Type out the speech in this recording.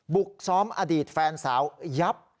บุกซ้อมอดีตแฟนสาวยับ